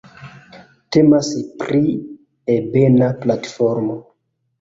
Temas pri ebena platformo.